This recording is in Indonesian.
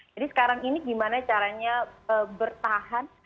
jadi sekarang ini gimana caranya bertahan